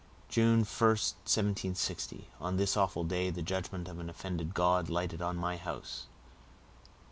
"_June 1st, 1760. On this awful day, the judgment of an offended God lighted on my house.